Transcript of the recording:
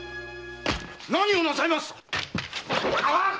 何をなさいますっ